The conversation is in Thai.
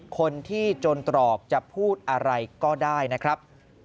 คนที่จนตรอกจะพูดอะไรก็ได้นะครับ